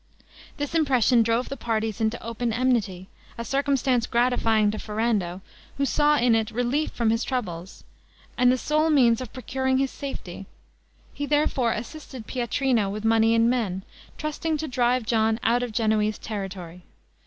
This impression drove the parties into open enmity; a circumstance gratifying to Ferrando, who saw in it relief from his troubles, and the sole means of procuring his safety: he therefore assisted Pietrino with money and men, trusting to drive John out of the Genoese territory.